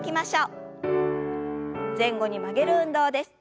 前後に曲げる運動です。